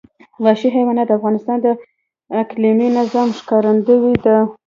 وحشي حیوانات د افغانستان د اقلیمي نظام ښکارندوی ده.